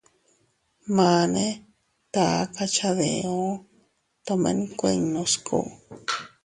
Mane taka cha diu, tomen kuinnu sku.